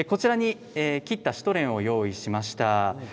こちらに切ったシュトレンを用意しました。